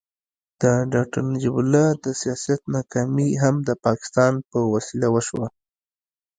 د ډاکټر نجیب الله د سیاست ناکامي هم د پاکستان په وسیله وشوه.